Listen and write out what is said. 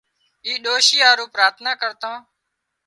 اِي ڏوشي هارو پراٿنا ڪرتان